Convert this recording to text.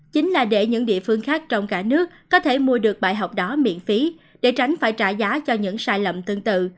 chính là để những địa phương khác trong cả nước có thể mua được bài học đó miễn phí để tránh phải trả giá cho những sai lầm tương tự